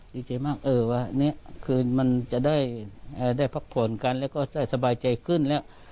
ดีใจมากเออวันนี้คืนมันจะได้พักผ่อนกันแล้วก็ได้สบายใจขึ้นแล้ว